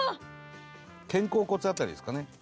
肩甲骨辺りですかね？